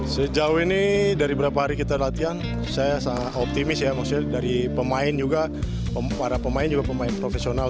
sejauh ini dari beberapa hari kita latihan saya sangat optimis ya maksudnya dari pemain juga para pemain juga pemain profesional